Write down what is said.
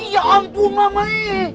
ya ampun mama e